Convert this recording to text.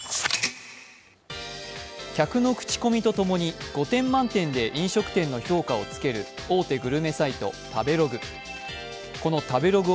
客の口コミとともに、５点満点で飲食店の評価をつける大手グルメサイト・食べログ。